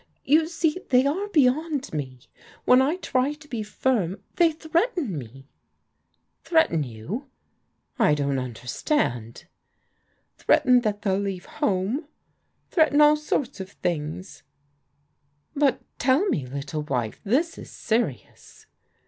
You see they are beyond me. When I try to be firm, they threaten me. " Threaten you? I don't understand." " Threaten that they'll leave home — threaten all sorts of things." *' But tell me, little wife. This is serious."